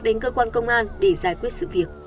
đến cơ quan công an để giải quyết sự việc